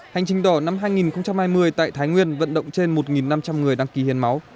hành trình đỏ năm hai nghìn hai mươi tại thái nguyên vận động trên một năm trăm linh người đăng ký hiến máu